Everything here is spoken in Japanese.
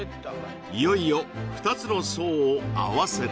いよいよ２つの層をあわせる